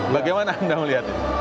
bagaimana anda melihatnya